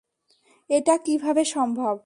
এটা কীভাবে সম্ভব?